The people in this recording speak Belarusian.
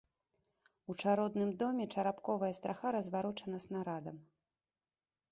У чародным доме чарапковая страха разварочана снарадам.